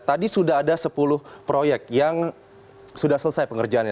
tadi sudah ada sepuluh proyek yang sudah selesai pengerjaannya